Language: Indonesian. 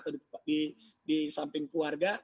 di samping keluarga